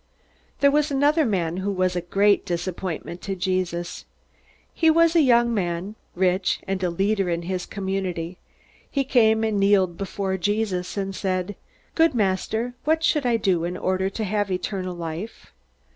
There was another man who was a great disappointment to Jesus. He was a young man rich, and a leader in the community. He came and kneeled before Jesus, and said, "Good Master, what should I do in order to have eternal life?"